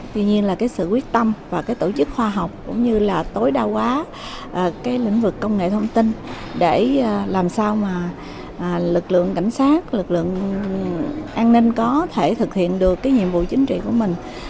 tuy nhiên là sự quyết tâm và tổ chức khoa học cũng như tối đa quá lĩnh vực công nghệ thông tin để làm sao lực lượng cảnh sát lực lượng an ninh có thể thực hiện được nhiệm vụ chính trị của mình